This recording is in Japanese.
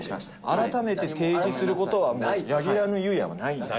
改めて提示することはもう、柳楽の優弥はないんです。